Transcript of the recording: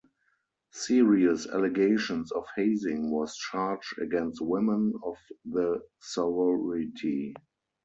Serious allegations of hazing was charged against women of the sorority.